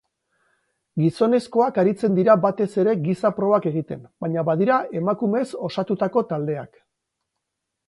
Gizonezkoak aritzen dira batez ere giza probak egiten baina badira emakumez osatutako taldeak.